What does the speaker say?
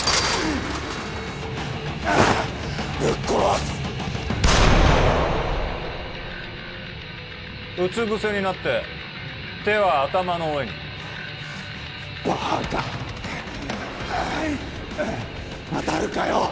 ぶっ殺すうつ伏せになって手は頭の上にバーカ当たるかよ